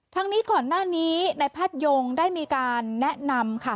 ทั้งนี้ก่อนหน้านี้ในแพทยงได้มีการแนะนำค่ะ